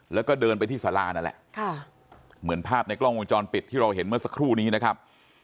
แล้วก็เดินไปที่สารานั่นแหละค่ะเหมือนภาพในกล้องวงจรปิดที่เราเห็นเมื่อสักครู่นี้นะครับ